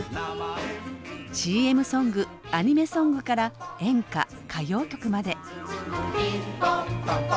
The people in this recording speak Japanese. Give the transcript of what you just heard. ＣＭソングアニメソングから演歌歌謡曲まで。